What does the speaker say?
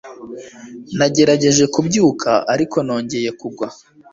Nagerageje kubyuka, ariko nongeye kugwa